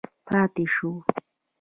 پاتې شو.